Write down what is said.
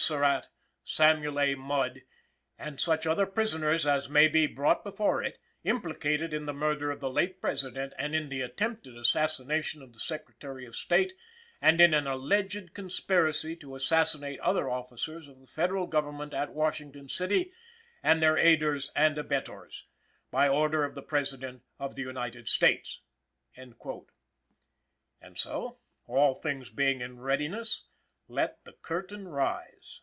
Surratt, Samuel A. Mudd and such other prisoners as may be brought before it, implicated in the murder of the late President and in the attempted assassination of the Secretary of State and in an alleged conspiracy to assassinate other officers of the Federal Government at Washington City, and their aiders and abettors. By order of the President of the United States." And so, all things being in readiness, let the curtain rise.